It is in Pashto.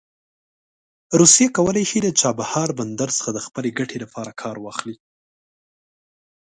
روسیه کولی شي د چابهار بندر څخه د خپلې ګټې لپاره کار واخلي.